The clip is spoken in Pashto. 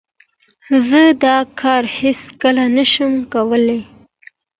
زه دا کار هیڅ کله نه شم کولای.